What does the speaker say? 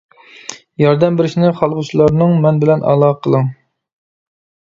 ياردەم بېرىشنى خالىغۇچىلارنىڭ مەن بىلەن ئالاقە قېلىڭ!